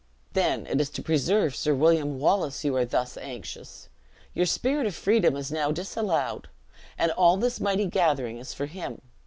"Then it is to preserve Sir William Wallace you are thus anxious. Your spirit of freedom is now disallowed, and all this mighty gathering is for him.